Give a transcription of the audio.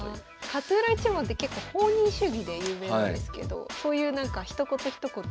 勝浦一門って結構放任主義で有名なんですけどそういうひと言ひと言。